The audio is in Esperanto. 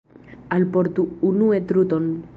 Alportu unue truton.